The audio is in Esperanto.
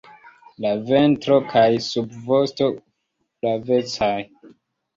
La ventro kaj subvosto flavecaj.